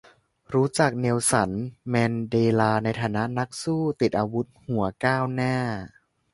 รู้จัก เนลสัน แมนเดลา ในฐานะนักสู้ติดอาวุธหัวก้าวหน้า